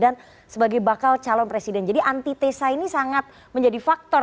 tapi anti tesa ini sangat menjadi faktor